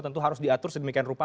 tentu harus diatur sedemikian rupa